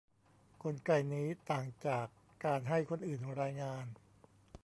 กลไกนี้ต่างจากการให้คนอื่นรายงาน